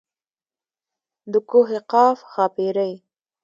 د کوه قاف ښاپېرۍ.